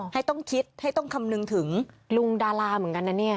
ให้ต้องคิดให้ต้องคำนึงถึงลุงดาราเหมือนกันนะเนี่ย